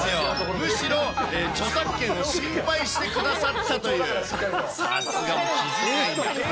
むしろ、著作権を心配してくださったという、さすがの気遣い。